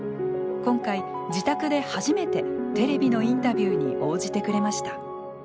今回、自宅で初めてテレビのインタビューに応じてくれました。